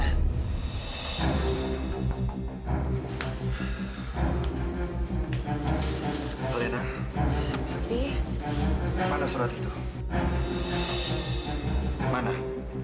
ada lingkar menuju rumah